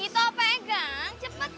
gitu pegang cepet